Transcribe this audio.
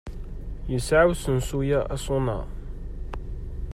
Yesɛa usensu-a aṣuna?